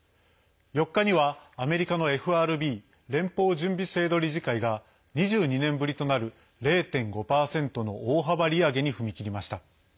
４日にはアメリカのＦＲＢ＝連邦準備制度理事会が２２年ぶりとなる０．５％の大幅利上げに踏み切りました。